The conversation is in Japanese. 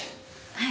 はい。